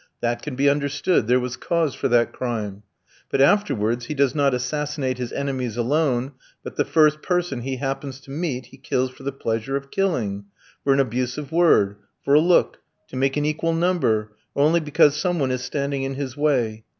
That can be understood there was cause for that crime; but afterwards he does not assassinate his enemies alone, but the first person he happens to meet he kills for the pleasure of killing for an abusive word, for a look, to make an equal number, or only because some one is standing in his way.